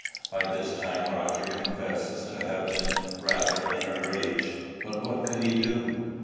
By this time Roger confesses to have been rather in a rage; but what could he do?